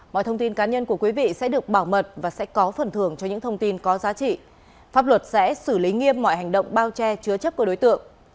mọi thông tin cá nhân của quý vị sẽ được bảo mật và sẽ có phần thưởng cho những thông tin có giá trị pháp luật sẽ xử lý nghiêm mọi hành động bao che chứa chấp của đối tượng